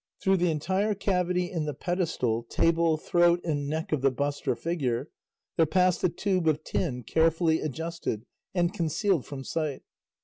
Through the entire cavity in the pedestal, table, throat and neck of the bust or figure, there passed a tube of tin carefully adjusted and concealed from sight.